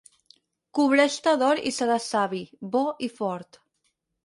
Cobreix-te d'or i seràs savi, bo i fort.